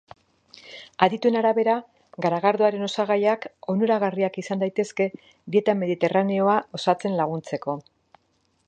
Adituen arabera, garagardoaren osagaiak onuragarriak izan daitezke dieta mediterraneoa osatzen laguntzeko.